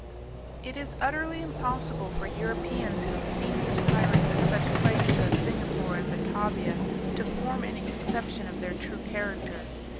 It is utterly impossible for Europeans who have seen these pirates at such places as Singapore and Batavia, to form any conception of their true character.